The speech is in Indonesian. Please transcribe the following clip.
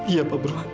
iya pak beruan